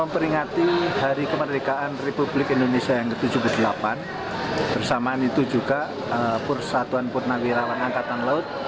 pertama itu juga persatuan purnawirawan angkatan laut